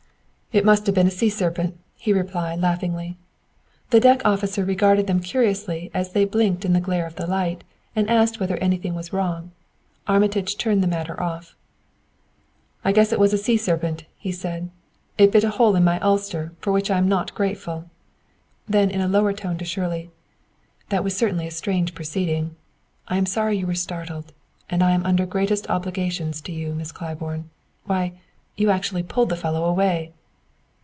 "It must have been a sea serpent," he replied, laughing. The deck officer regarded them curiously as they blinked in the glare of light, and asked whether anything was wrong. Armitage turned the matter off. "I guess it was a sea serpent," he said. "It bit a hole in my ulster, for which I am not grateful." Then in a lower tone to Shirley: "That was certainly a strange proceeding. I am sorry you were startled; and I am under greatest obligations to you, Miss Claiborne. Why, you actually pulled the fellow away!"